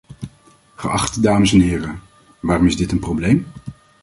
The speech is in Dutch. Geachte dames en heren, waarom is dit een probleem?